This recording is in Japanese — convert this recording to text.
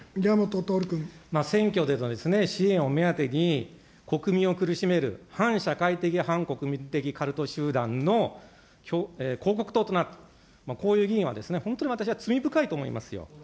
選挙で支援を目当てに、国民を苦しめる反社会的、反国民的カルト集団の広告塔となる、こういう議員は本当に私は罪深いと思いますよ。